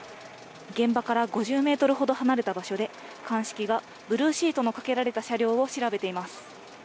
現場から５０メートルほど離れた場所で、鑑識がブルーシートのかけられた車両を調べています。